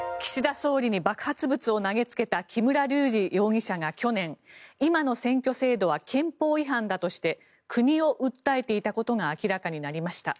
総理に爆発物を投げつけた木村隆二容疑者が去年、今の選挙制度は憲法違反だとして国を訴えていたことが明らかになりました。